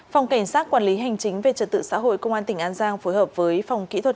phòng cảnh sát quản lý hành chính về trật tự xã hội công an tỉnh an giang phối hợp với phòng kỹ thuật